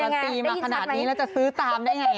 โอ้โหเการันตีมาขนาดนี้แล้วจะซื้อตามได้อย่างไร